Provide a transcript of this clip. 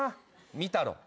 見たろ？